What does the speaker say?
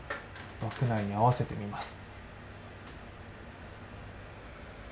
枠内に合わせてみます。